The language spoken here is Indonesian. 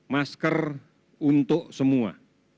masker untuk semua